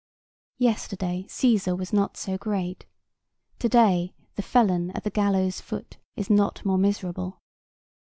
Yesterday, Cæsar was not so great; to day, the felon at the gallows' foot is not more miserable.